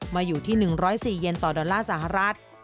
มาอยู่ที่๑๐๔เยนต่อดอลลาร์สหรัฐ